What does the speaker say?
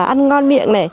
ăn ngon miệng